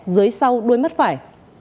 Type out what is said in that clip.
dưới sau đuôi mắt phải